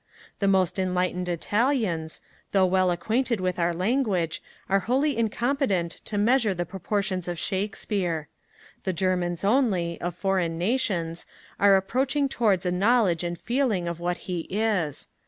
The most enlightened Italians, though well acquainted with our language, are wholly incompetent to measure the proportions of Shakespeare. The Germans only, of foreign nations, are approaching towards a knowledge and feeling of what he is.